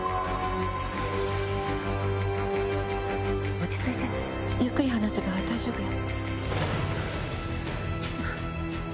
落ち着いてゆっくり話せば大丈夫よ。